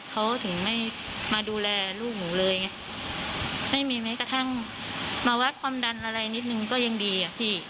เขาถึงไม่มาดูแลลูกหนูเลยไงไม่มีแม้กระทั่งมาวัดความดันอะไรนิดนึงก็ยังดีอ่ะพี่